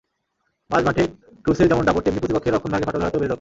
মাঝমাঠে ক্রুসের যেমন দাপট, তেমনি প্রতিপক্ষের রক্ষণভাগে ফাটল ধরাতেও বেশ দক্ষ।